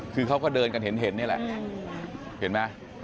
คือเขาก็เดินกันเห็นนี่แหละเห็นไหม